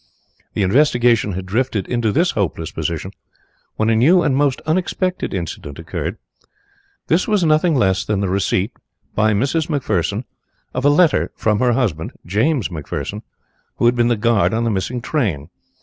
The investigation had drifted into this hopeless position when a new and most unexpected incident occurred. This was nothing less than the receipt by Mrs. McPherson of a letter from her husband, James McPherson, who had been the guard on the missing train.